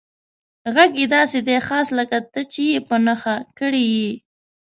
غږ یې داسې دی، خاص لکه ته چې یې په نښه کړی یې.